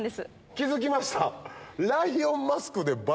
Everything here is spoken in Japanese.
気付きました。